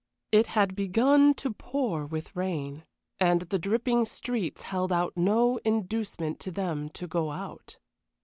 It had begun to pour with rain, and the dripping streets held out no inducement to them to go out.